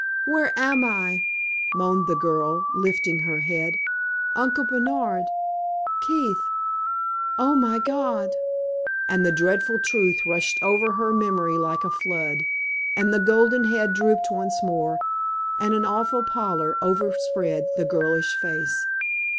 "Where am I?" moaned the girl, lifting her head. "Uncle Bernard Keith oh, my God!" And the dreadful truth rushed over her memory like a flood, and the golden head drooped once more, and an awful pallor overspread the girlish face.